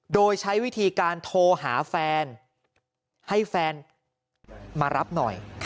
โดยใช้วิธีการโทรหาแฟนให้แฟนมารับหน่อย